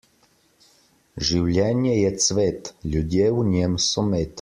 Življenje je cvet, ljudje v njem so med.